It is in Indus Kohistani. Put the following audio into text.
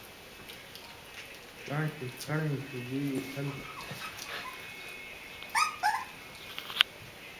کاں چے کھن٘ڑیں شُو بُوئ اُتھل تھہ۔